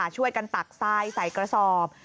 ช่วยกันตักทรายใส่กระสอบ